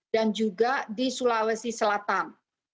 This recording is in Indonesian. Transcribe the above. dan juga di sulawesi selatan